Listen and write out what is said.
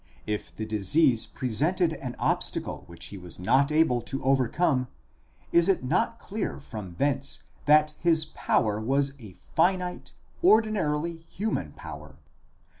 If the disease pre sented an obstacle which he was not able to overcome, is it not clear from thence that his power was a finite, ordinarily human power?